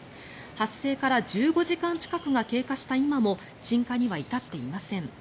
発生から１５時間近くが経過した今も鎮火には至っていません。